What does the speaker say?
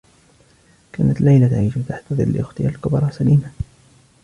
كانت ليلى تعيش تحت ظلّ أختها الكبرى سليمة.